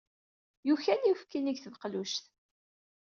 Yukal uyefki-nni deg tbeqlujt.